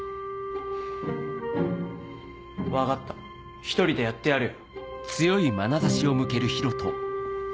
分かった一人でやってやるよ。